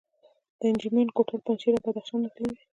د انجمین کوتل پنجشیر او بدخشان نښلوي